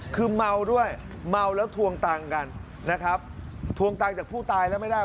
คือเมาด้วยเมาแล้วทวงตังค์กันนะครับทวงตังค์จากผู้ตายแล้วไม่ได้